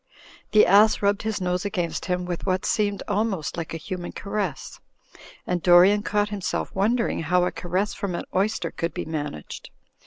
The? ass rubbed his nose against him with what seemed almost like a human caress. And Dorian caught himself wondering how a caress from an oyster could be managed.